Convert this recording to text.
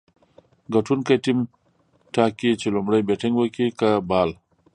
ګټونکی ټیم ټاکي، چي لومړی بېټينګ وکي که بال.